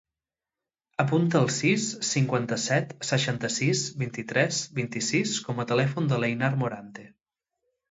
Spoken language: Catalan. Apunta el sis, cinquanta-set, seixanta-sis, vint-i-tres, vint-i-sis com a telèfon de l'Einar Morante.